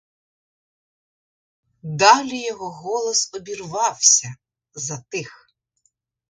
Далі його голос обірвався — затих.